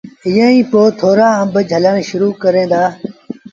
ائيٚݩ پو ٿورآ آݩب جھلڻ شرو ڪري دو۔